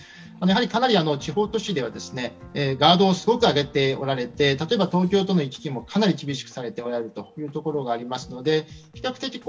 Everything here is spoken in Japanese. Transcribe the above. かなり地方都市ではガードをすごく上げておられて例えば東京との行き来もかなり厳しくしているところもあります。